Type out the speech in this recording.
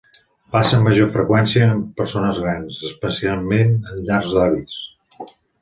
Passa amb major freqüència en persones grans, especialment en llars d'avis.